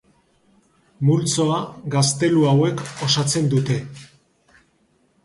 Multzoa gaztelu hauek osatzen dute.